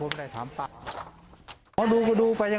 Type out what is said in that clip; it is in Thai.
สองสามีภรรยาคู่นี้มีอาชีพ